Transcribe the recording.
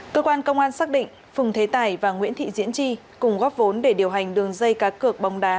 cơ quan công an xác định phùng thế tài và nguyễn thị diễn chi cùng góp vốn để điều hành đường dây cá cược bóng đá